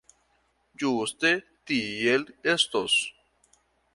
Ĝuste tiel estos.